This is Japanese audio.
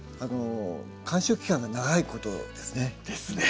観賞期間が長いことですね。ですね。